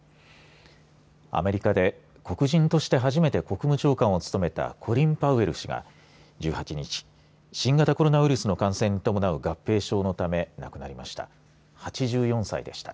アメリカで黒人として初めて国務長官を務めたコリン・パウエル氏が１８日新型コロナウイルスの感染に伴う合併症のため亡くなりました。